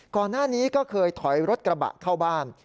ก่อนหน้านี้ก็เคยถอยรถกระบะเข้าบ้าน